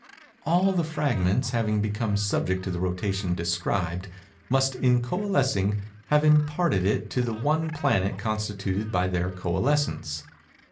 All the fragments having become subject to the rotation described, must, in coalescing, have imparted it to the one planet constituted by their coalescence.